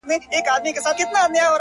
څوک انتظار کړي، ستا د حُسن تر لمبې پوري،